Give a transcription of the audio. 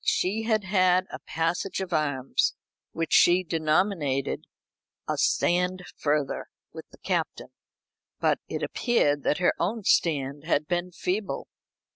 She had had a passage of arms, which she denominated "a stand further," with the Captain; but it appeared that her own stand had been feeble.